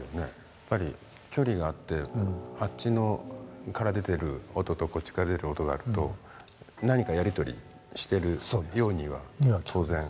やっぱり距離があってあっちから出てる音とこっちから出る音があると何かやり取りしてるようには当然。